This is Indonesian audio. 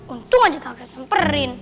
untung aja kakak semperin